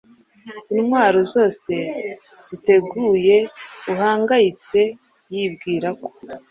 Intwaro zose ziteguyeuhangayitse yibwira ko